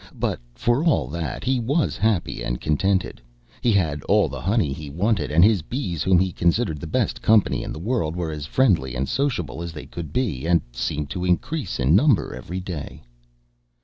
But, for all that, he was happy and contented; he had all the honey he wanted, and his bees, whom he considered the best company in the world, were as friendly and sociable as they could be, and seemed to increase in number every day.